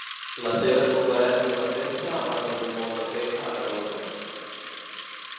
Les seves conferències de premsa van tenir molt d’efecte arreu del país.